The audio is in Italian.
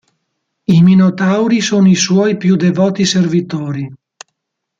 I minotauri sono i suoi più devoti servitori.